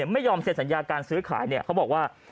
ไม่ยอมเซ็นสัญญาการซื้อขายเนี่ยเขาบอกว่า